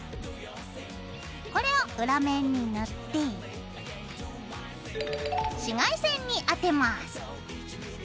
これを裏面に塗って紫外線に当てます。